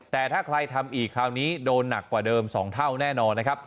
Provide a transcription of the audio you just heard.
แต่ถ้าใครทำอีกคราวนี้โดนหนักกว่าเดิม๒เท่าแน่นอนนะครับ